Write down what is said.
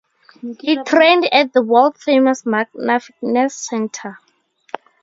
He trained at the world-famous Magna Fitness Center.